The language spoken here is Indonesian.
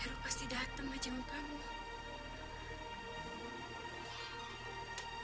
heru pasti datang aja sama kamu